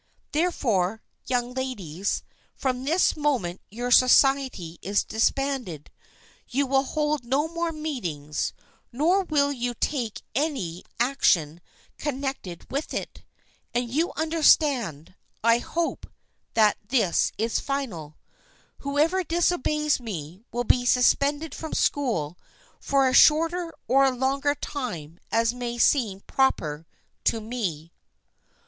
Therefore, young ladies, from this moment your society is disbanded. You will hold no more meetings, nor will you take any THE FRIENDSHIP OF ANNE 275 action connected with it, and you understand, I hope, that this is final. Whoever disobeys me will be suspended from school for a shorter or a longer time as may seem proper to me."